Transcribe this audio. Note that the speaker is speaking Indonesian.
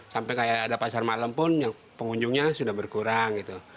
sampai kayak ada pasar malam pun pengunjungnya sudah berkurang gitu